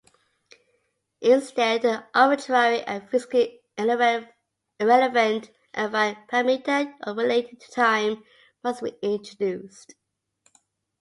Instead an arbitrary and physically irrelevant affine parameter unrelated to time must be introduced.